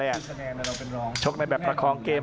อัศวินาศาสตร์